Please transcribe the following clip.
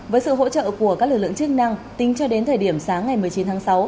với sự hỗ trợ của các lực lượng chức năng tính cho đến thời điểm sáng ngày một mươi chín tháng sáu